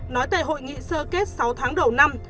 nói về hội nghị sơ kết sáu tháng đầu năm